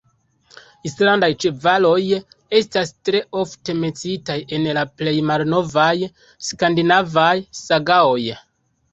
Islandaj ĉevaloj estas tre ofte menciitaj en la plej malnovaj skandinavaj sagaoj.